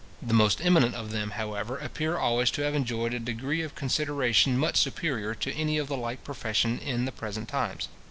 The most eminent of them, however, appear always to have enjoyed a degree of consideration much superior to any of the like profession in the present times.